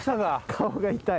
顔が痛い。